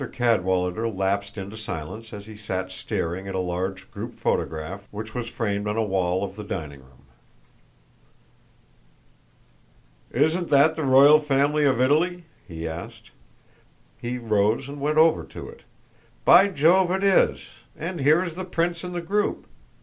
Cadwallader lapsed into silence as he sat staring at a large group photograph which was framed on a wall of the dining room. "Isn't that the royal family of Italy?" he asked. He rose and went over to it. "By Jove, it is, and here is the prince in the group.